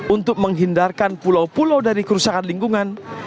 untuk menghindarkan pulau pulau dari kerusakan lingkungan